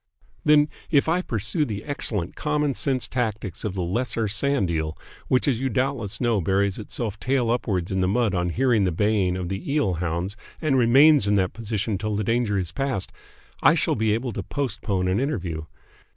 "Then, if I pursue the excellent common sense tactics of the lesser sand eel, which as you doubtless know buries itself tail upwards in the mud on hearing the baying of the eel hounds and remains in that position till the danger is past, I shall be able to postpone an interview.